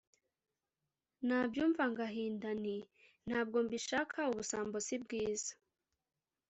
Nabyumva ngahinda Nti “Ntabwo mbishaka, Ubusambo si bwiza